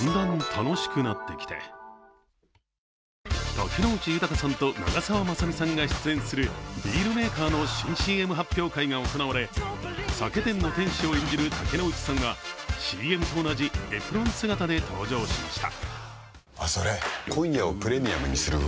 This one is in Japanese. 竹野内豊さんと長澤まさみさんが出演するビールメーカーの新ＣＭ発表会が行われ酒店の店主を演じる竹野内さんはＣＭと同じエプロン姿で登場しました。